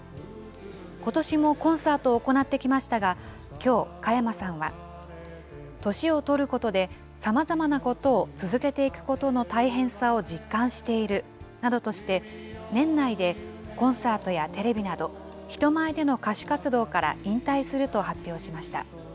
ことしもコンサートを行ってきましたが、きょう、加山さんは年を取ることでさまざまなことを続けていくことの大変さを実感しているなどとして、年内でコンサートやテレビなど、人前での歌手活動から引退すると発表しました。